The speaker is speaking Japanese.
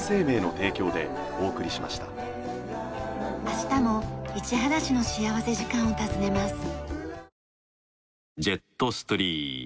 明日も市原市の幸福時間を訪ねます。